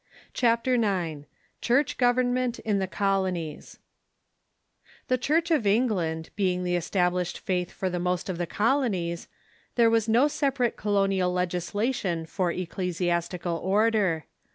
CHAPTER IX CHURCH GOVERNMENT IN THE COLONIES The Church of England being the established faith for the most of the colonics, there was no separate colonial legislation for ecclesiastical order.